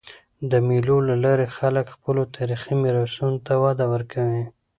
د مېلو له لاري خلک خپلو تاریخي میراثونو ته وده ورکوي.